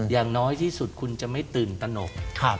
อย่างน้อยที่สุดคุณจะไม่ตื่นตนก